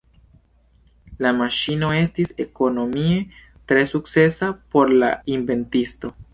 La maŝino estis ekonomie tre sukcesa por la inventisto.